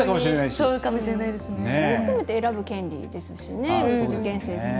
それ含めて選ぶ権利ですしね。